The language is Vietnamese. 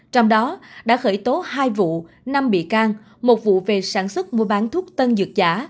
trong đó đã khởi tố hai vụ năm bị can một vụ về sản xuất mua bán thuốc tân dược giả